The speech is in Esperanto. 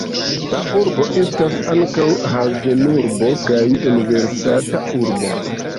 La urbo estas ankaŭ havenurbo kaj universitata urbo.